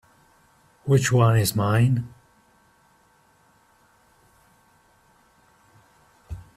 Which one is mine?